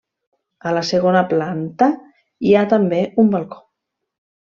A la segona planta hi ha també un balcó.